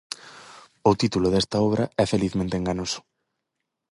O título desta obra é felizmente enganoso.